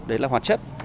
đấy là hoạt chất